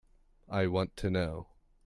I want to know.